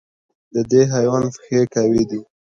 د دې حیوان پښې قوي دي.